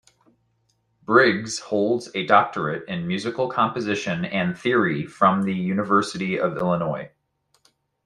Briggs holds a Doctorate in Musical Composition and Theory from the University of Illinois.